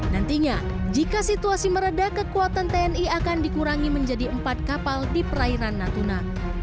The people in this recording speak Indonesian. nantinya jika situasi meredah kekuatan tni akan dikurangi menjadi empat kapal di perairan natuna